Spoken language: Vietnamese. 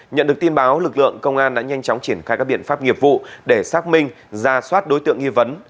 nhận được tin báo lực lượng công an đã nhanh chóng triển khai các biện pháp nghiệp vụ để xác minh ra soát đối tượng nghi vấn